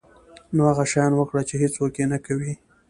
نو هغه شیان وکړه چې هیڅوک یې نه کوي.